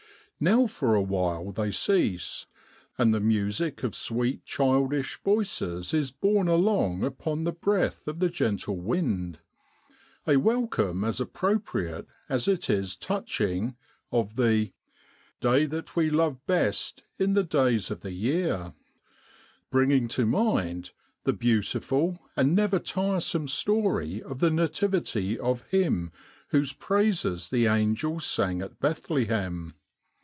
Now for a while they cease, and the music of sweet childish voices is borne along upon the breath of the gentle wind, a welcome as appropriate as it is touching, of the * Day that we love best in the days of the year,' bringing to mind the beautiful and never tiresome story of the nativity of Him whose praises the angels sang at Bethlehem.